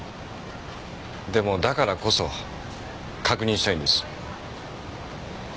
でもだからこそ確認したいんです。